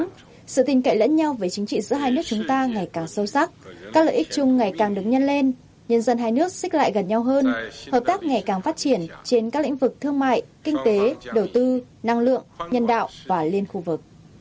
với những nỗ lực chung sự tình cậy lẫn nhau với chính trị giữa hai nước chúng ta ngày càng sâu sắc các lợi ích chung ngày càng đứng nhân lên nhân dân hai nước xích lại gần nhau hơn hợp tác ngày càng phát triển trên các lĩnh vực thương mại kinh tế đầu tư năng lượng nhân đạo và liên khu vực